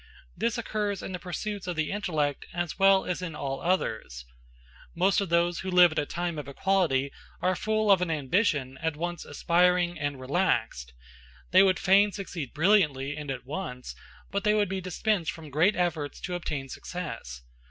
This occurs in the pursuits of the intellect as well as in all others. Most of those who live at a time of equality are full of an ambition at once aspiring and relaxed: they would fain succeed brilliantly and at once, but they would be dispensed from great efforts to obtain success.